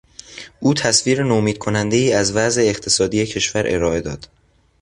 او تصویر نومید کنندهای از وضع اقتصادی کشور ارائه داد.